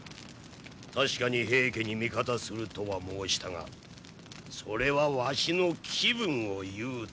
確かに平家に味方するとは申したがそれはわしの気分を言うたにすぎぬ。